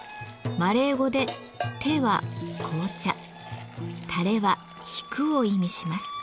マレー語で「テ」は「紅茶」「タレ」は「引く」を意味します。